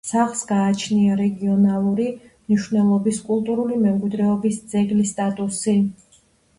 სახლს გააჩნია რეგიონალური მნიშვნელობის კულტურული მემკვიდრეობის ძეგლის სტატუსი.